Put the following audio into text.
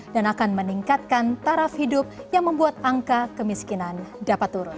dan akan meningkatkan taraf hidup yang membuat angka kemiskinan dapat turun